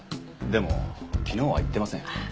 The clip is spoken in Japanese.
でも昨日は行ってません。